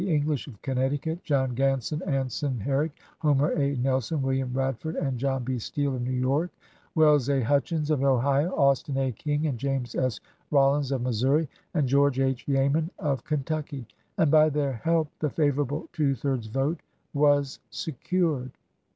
English of Connecticut; John Ganson, Anson Herrick, Homer A. Nelson, William Radford, and John B. Steele of New York ; Wells A. Hutchins of Ohio ; Austin A. King and James S. Rollins of Missouri; and George H. Yeaman of Kentucky; and by their help the favorable two thirds vote "Giot>ef" was secured.